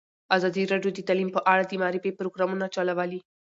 ازادي راډیو د تعلیم په اړه د معارفې پروګرامونه چلولي.